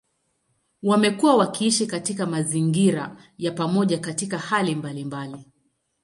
Wamekuwa wakiishi katika mazingira ya pamoja katika hali mbalimbali.